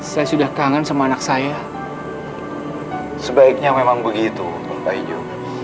saya sudah kangen sama anak saya sebaiknya memang begitu mbak ijo